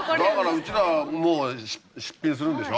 うちら出品するんでしょ？